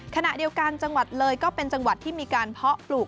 ขณะเดียวกันจังหวัดเลยก็เป็นจังหวัดที่มีการเพาะปลูก